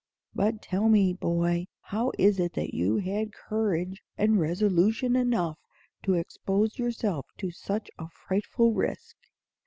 But tell me, boy, how is it that you had courage and resolution enough to expose yourself to such a frightful risk?"